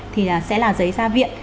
thì sẽ là giấy gia viện